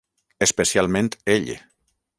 Especialment ell—.